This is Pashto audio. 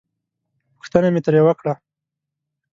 پوښتنه مې ترې وکړه.